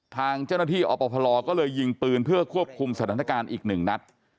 ทางเจ้าหน้าที่อพยิงปืนเพื่อควบคุมสถานการณ์อีก๑นัด